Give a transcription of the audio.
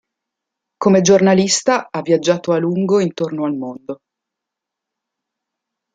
Come giornalista ha viaggiato a lungo intorno al mondo.